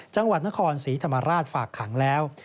จังหวัดนครศรีธรรมราชฝากขังแล้ว